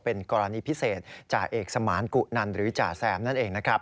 เป็นกรณีพิเศษจ่าเอกสมานกุนันหรือจ่าแซมนั่นเองนะครับ